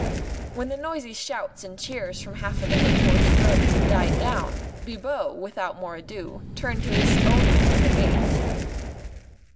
When the noisy shouts and cheers from half a dozen hoarse throats had died down, Bibot, without more ado, turned to his own men at the gate.